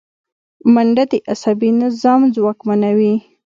منډه د عصبي نظام ځواکمنوي